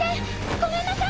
ごめんなさい！